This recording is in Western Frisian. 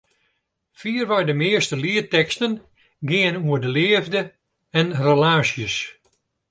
Fierwei de measte lietteksten geane oer de leafde en relaasjes.